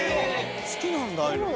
好きなんだああ